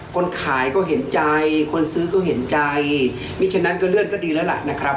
คนขายก็เห็นใจคนซื้อก็เห็นใจไม่ฉะนั้นก็เลื่อนก็ดีแล้วล่ะนะครับ